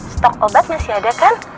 stok obat masih ada kan